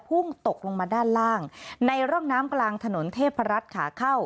พุ่งตกลงมาด้านล่างในร่องน้ำกลางถนนเทพรัฐขาเข้า